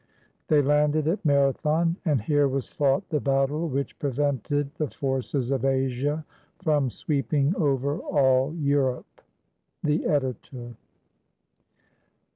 They landed at Marathon, and here was fought the battle which prevented the forces of Asia from sweeping over all Europe. The Editor.